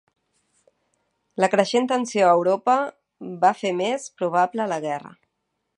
La creixent tensió a Europa va fer més probable la guerra.